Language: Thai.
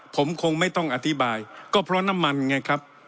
ผมคงไม่ต้องอธิบายก็เพราะน้ำมันไงครับ